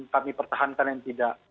kami pertahankan yang tidak